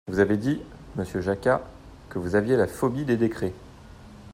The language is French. Vous avez dit, monsieur Jacquat, que vous aviez la phobie des décrets.